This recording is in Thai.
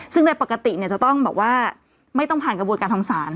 ซึ่งในปกติจะต้องแบบว่าไม่ต้องผ่านกระบวนการทางศาล